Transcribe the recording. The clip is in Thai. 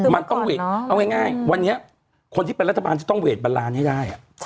มันต้องเวทเอาง่ายวันนี้คนที่เป็นรัฐบาลจะต้องเวทบันลานให้ได้